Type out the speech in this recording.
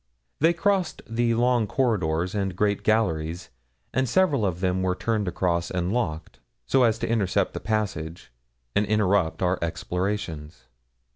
They crossed the long corridors and great galleries; and several of them were turned across and locked, so as to intercept the passage, and interrupt our explorations.